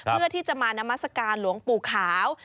เพื่อที่จะมานามัศกาลหลวงปู่ขาว